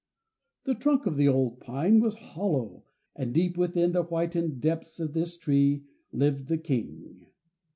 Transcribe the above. The trunk of the old pine was hollow, and deep within the whitened depths of this tree lived the King.